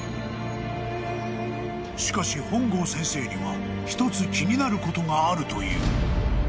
［しかし本郷先生には１つ気になることがあるという］